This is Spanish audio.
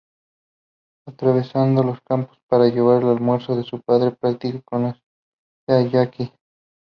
Atravesando los campos para llevar el almuerzo a su padre, Patricia conoce a Jacques.